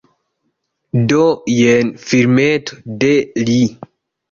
Do, jen filmeto de li!